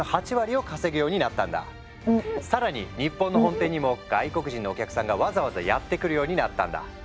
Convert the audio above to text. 更に日本の本店にも外国人のお客さんがわざわざやって来るようになったんだ。